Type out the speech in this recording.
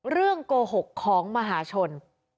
เรื่องโกหกของมหาชน